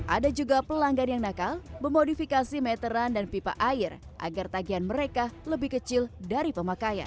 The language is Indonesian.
ada juga pelanggan yang nakal memodifikasi meteran dan pipa air agar tagihan mereka lebih kecil dari pemakaian